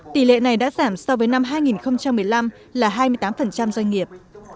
tỷ lệ này đã giảm so với năm hai nghìn một mươi năm là hai mươi tám doanh nghiệp